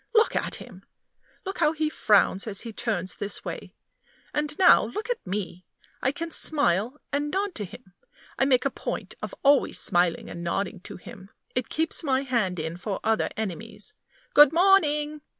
Look at him! look how he frowns as he turns this way. And now look at me! I can smile and nod to him. I make a point of always smiling and nodding to him it keeps my hand in for other enemies. Good morning!